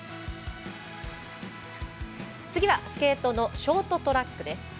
次はスケートのショートトラックです。